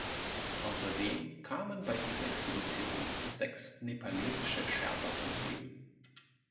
Außerdem kamen bei dieser Expedition sechs nepalesische Sherpas ums Leben.